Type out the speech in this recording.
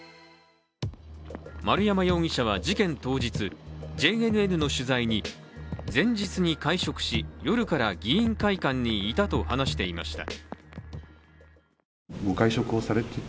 丸山容疑者は事件当日、ＪＮＮの取材に前日に会食し、夜から議員会館にいたと話していました。